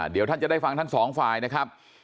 เดี๋ยวท่านจะได้ฟังทั้งสองฝ่ายนะครับ